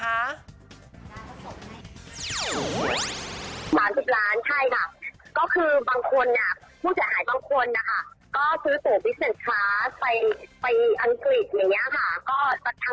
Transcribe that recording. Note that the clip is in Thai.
๓๐ล้านใช่ค่ะก็คือบางคนผู้เสียหายบางคนนะคะ